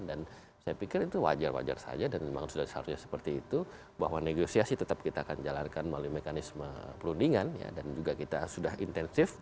dan saya pikir itu wajar wajar saja dan memang sudah seharusnya seperti itu bahwa negosiasi tetap kita akan jalankan melalui mekanisme perundingan dan juga kita sudah intensif